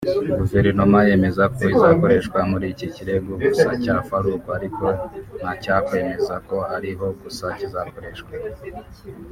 Guverinoma yemeza ko izakoreshwa muri iki kirego gusa(cya Farook) ariko ntacyakwemeza ko ariho gusa izakoreshwa